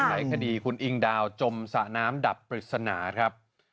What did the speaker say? หลายคดีคุณอิงดาวจมสระน้ำดับปริศนาครับ